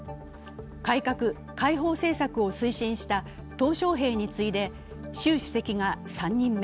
改革・開放政策を推進したトウ小平に次いで習主席が３人目。